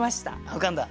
浮かんだ。